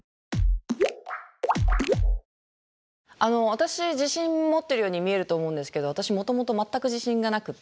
私自信持ってるように見えると思うんですけど私もともと全く自信がなくって。